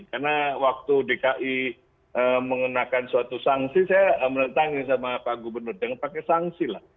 karena waktu dki mengenakan suatu sanksi saya menentangnya sama pak gubernur dengan pakai sanksi lah